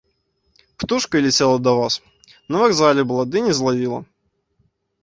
Птушачкай ляцела да вас, на вакзале была, ды не злавіла.